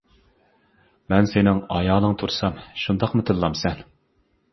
مەن سېنىڭ ئايالىڭ تۇرسام شۇنداقمۇ تىللامسەن.